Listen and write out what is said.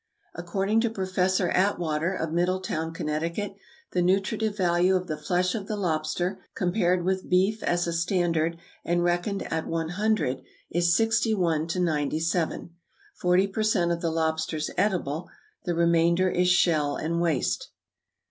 = According to Professor Atwater of Middletown, Conn., the nutritive value of the flesh of the lobster, compared with beef as a standard and reckoned at 100, is 61 to 97. Forty per cent of the lobster is edible, the remainder is shell and waste.